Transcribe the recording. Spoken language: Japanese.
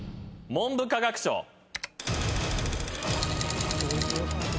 文部科学省は⁉］